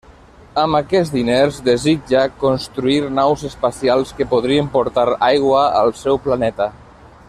Amb aquests diners desitja construir naus espacials que podrien portar aigua al seu planeta.